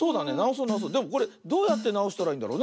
でもこれどうやってなおしたらいいんだろうね？